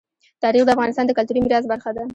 تاریخ د افغانستان د کلتوري میراث برخه ده.